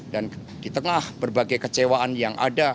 di tengah berbagai kecewaan yang ada